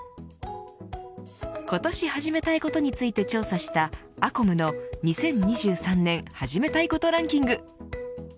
今年始めたいことについて調査したアコムの２０２３年はじめたいことＲＡＮＫＩＮＧ。